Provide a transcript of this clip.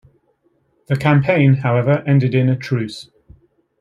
The campaign, however, ended in a truce.